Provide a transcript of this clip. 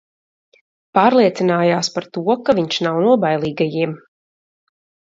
Pārliecinājās par to, ka viņš nav no bailīgajiem.